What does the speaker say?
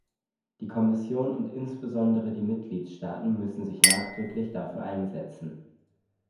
Die Kommission und insbesondere die Mitgliedstaaten müssen sich nachdrücklich dafür einsetzen.